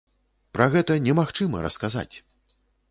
Пра гэта немагчыма расказаць!